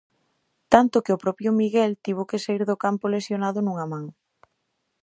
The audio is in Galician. Tanto que o propio Miguel tivo que saír do campo lesionado nunha man.